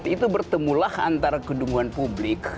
itu bertemulah antara kedunguan publik